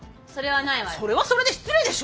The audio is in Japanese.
それはそれで失礼でしょ！